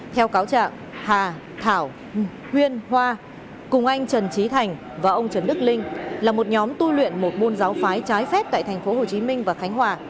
theo cáo trạng hà thảo huyên hoa cùng anh trần trí thành và ông trấn đức linh là một nhóm tu luyện một môn giáo phái trái phép tại thành phố hồ chí minh và khánh hòa